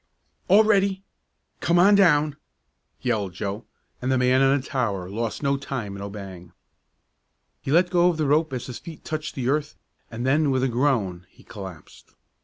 "All ready! Come on down!" yelled Joe, and the man on the tower lost no time in obeying. He let go the rope as his feet touched the earth and then with a groan he collapsed.